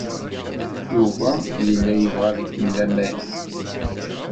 Yuba yella yebɣa ad ikemmel amahil.